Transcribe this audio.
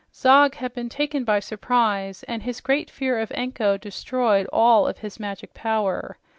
Zog had been taken by surprise, and his great fear of Anko destroyed all of his magic power.